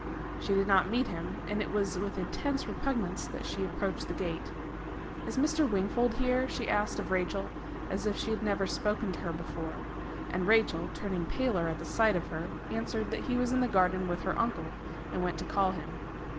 She did not meet him, and it was with intense repugnance that she approached the gate. "Is Mr. Wingfold here?" she asked of Rachel, as if she had never spoken to her before; and Rachel, turning paler at the sight of her, answered that he was in the garden with her uncle, and went to call him.